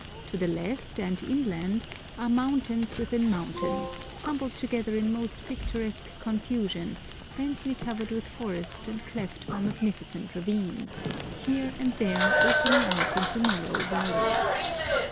To the left and inland are mountains within mountains, tumbled together in most picturesque confusion, densely covered with forest and cleft by magnificent ravines, here and there opening out into narrow valleys.